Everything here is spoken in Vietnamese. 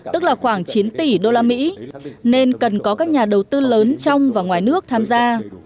tức là khoảng chín tỷ usd nên cần có các nhà đầu tư lớn trong và ngoài nước tham gia